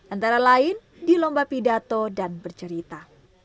antara lain di lomba pidato dan bercerita